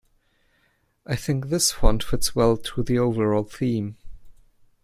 I think this font fits well to the overall theme.